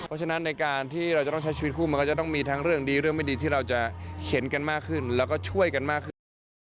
เพราะฉะนั้นในการที่เราจะต้องใช้ชีวิตคู่มันก็จะต้องมีทั้งเรื่องดีเรื่องไม่ดีที่เราจะเห็นกันมากขึ้นแล้วก็ช่วยกันมากขึ้น